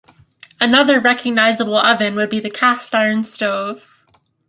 Another recognizable oven would be the cast-iron stove.